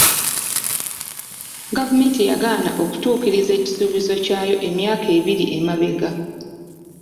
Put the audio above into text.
Gavumenti yagaana okutuukiriza ekisuubizo ky'ayo emyaka ebiri emabega.